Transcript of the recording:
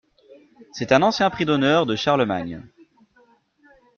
C’est un ancien prix d’honneur de Charlemagne.